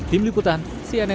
tim liputan cnn indonesia